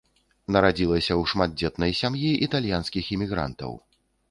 Нарадзілася ў шматдзетнай сям'і італьянскіх імігрантаў.